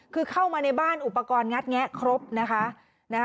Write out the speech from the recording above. คือเข้ามาในบ้านอุปกรณ์งัดแงะครบนะคะ